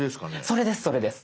それですそれです！